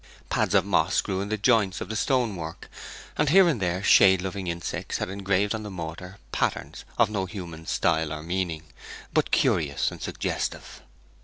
Pads of moss grew in the joints of the stone work, and here and there shade loving insects had engraved on the mortar patterns of no human style or meaning; but curious and suggestive.